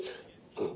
うん。